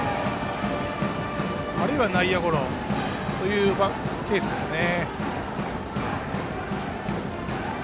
あるいは内野ゴロというケースですね。